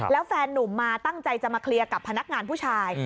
แล้วแฟนนุ่มมาตั้งใจจะมาเคลียร์กับพนักงานผู้ชาย